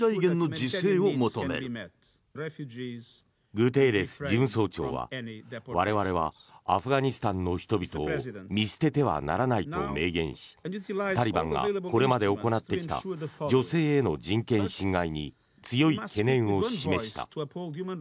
グテーレス事務総長は我々はアフガニスタンの人々を見捨ててはならないと明言しタリバンがこれまで行ってきた女性への人権侵害に強い懸念を示した。